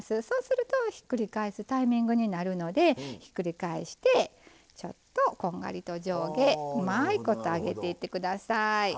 そうするとひっくり返すタイミングになるのでひっくり返してちょっとこんがりと上下うまいこと揚げていって下さい。